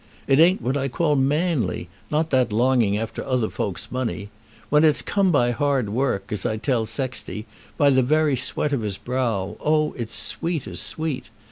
It ain't what I call manly, not that longing after other folks' money. When it's come by hard work, as I tell Sexty, by the very sweat of his brow, oh, it's sweet as sweet.